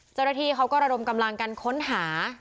เจ้าหน้าที่เขาก็ระดมกำลังกันค้นหา